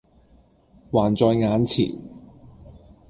還在眼前。